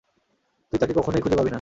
তুই তাকে কখনোই খুঁজে পাবি নাহ।